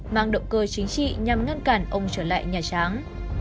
mang động cơ chính trị nhằm ngăn cản ông trở lại nhà trắng